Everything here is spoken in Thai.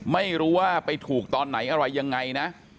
ไม่รู้ว่าไปถูกตอนไหนอะไรยังไงนะ